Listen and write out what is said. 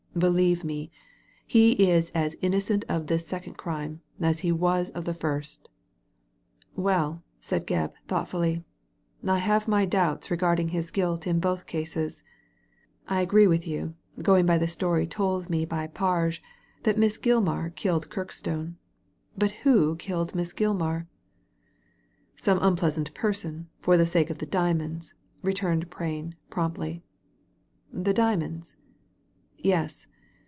Believe me, he is as innocent of this second crime as he was of the first" "Well," said Gebb, thoughtfully, "I have my doubts regarding his guilt in both cases. I agree with you, going by the story told to me by Parge, that Miss Gilmar killed Kirkstone, but who killed Miss GUmar?" ^Some unknown person, for the sake of the diamonds," returned Prain, promptly. ••The diamonds?" •'Yes.